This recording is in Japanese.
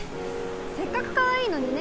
せっかくかわいいのにね